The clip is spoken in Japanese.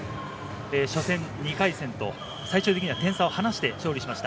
初戦、２回戦と最終的には点差を離して勝利しました。